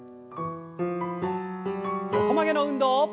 横曲げの運動。